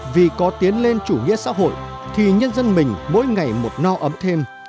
vì có tiến lên chủ nghĩa xã hội thì nhân dân mình mỗi ngày một no ấm thêm